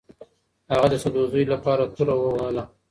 هغه د سدوزیو لپاره توره ووهله.